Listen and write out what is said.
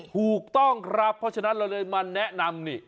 ถูกต้องครับเพราะฉะนั้นเราเลยมาแนะนำนี่